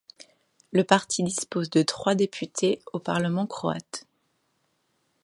Le parti dispose de trois députés au parlement croate.